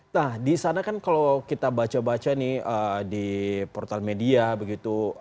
nah di sana kan kalau kita baca baca nih di portal media begitu